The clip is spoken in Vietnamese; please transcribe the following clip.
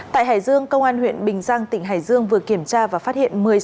tại hải dương công an huyện bình giang tỉnh hải dương vừa kiểm tra và phát hiện